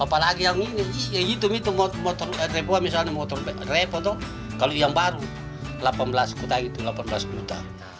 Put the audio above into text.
apalagi yang ini yang itu motor repot kalau yang baru delapan belas kuta itu